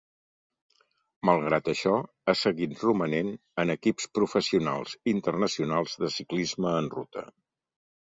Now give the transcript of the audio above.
Malgrat això ha seguit romanent en equips professionals internacionals de ciclisme en ruta.